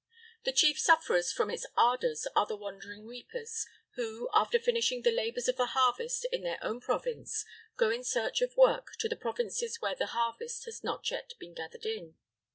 The chief sufferers from its ardors are the wandering reapers, who, after finishing the labors of the harvest in their own province, go in search of work to the provinces where the harvest has not yet been gathered in.